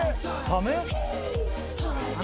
サメ？